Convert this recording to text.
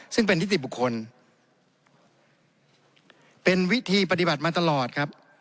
ซึ่งเป็นนิติบุคคลเป็นวิธีปฏิบัติมาตลอดครับ